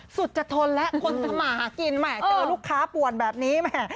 สุดจะทนแล้วคนทำมาหากินแหม่เจอลูกค้าป่วนแบบนี้แหม